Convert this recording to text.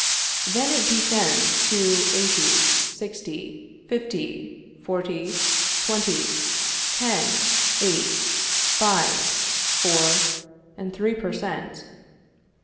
Then it descends to eighty, sixty, fifty, forty, twenty, ten, eight, five, four, and three per cent.